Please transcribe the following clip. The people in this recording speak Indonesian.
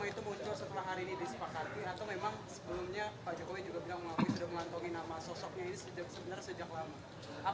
maruf amin sudah melantongi nama sosoknya ini sebenarnya sejak lama